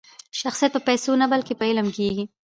شخصیت په پیسو کښي نه؛ بلکي په علم کښي دئ.